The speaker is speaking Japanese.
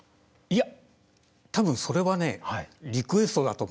いや多分それはねリクエストだと思うんですよ。